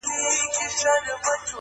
یو ناڅاپه پر یو سیوري برابر سو.!